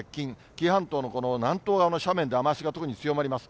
紀伊半島の南東側の斜面で雨足が特に強まります。